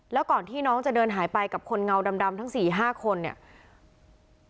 แล้วก่อนที่น้องน้องมาหายไปกับคนเหงาดำทั้งสี่ห้าคนเนี่ย